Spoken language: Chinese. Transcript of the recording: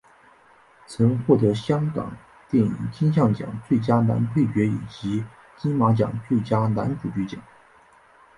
曾获得香港电影金像奖最佳男配角以及金马奖最佳男主角奖。